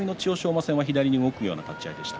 馬戦は左に動くような立ち合いでした。